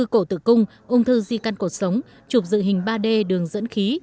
cổ tử cung ung thư di căn cuộc sống chụp dự hình ba d đường dẫn khí